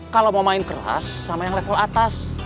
kalau mau main keras sama yang level atas